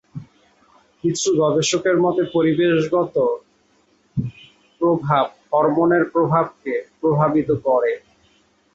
কিছু গবেষকের মতে পরিবেশগত প্রভাব হরমোনের প্রভাব কে প্রভাবিত করে।